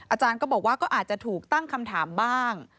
อาจารย์ก็บอกว่าก็อาจจะถูกตั้งคำถามบ้าง